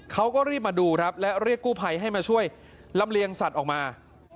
เขาก็รีบมาดูครับและเรียกกู้ภัยให้มาช่วยลำเลียงสัตว์ออกมา